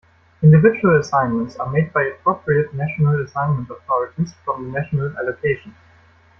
Individual assignments are made by appropriate national assignment authorities from the national allocation.